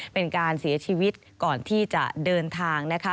เป็นการเสียชีวิตก่อนที่จะเดินทางนะคะ